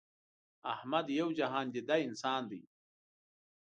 احمد یو جهان دیده انسان دی.